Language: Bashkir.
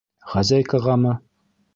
Хозяйкағамы?